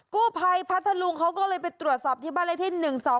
กู้ภัยพัฒน์ลุงเขาก็เลยไปตรวจสอบที่บรรยาที่๑๒๖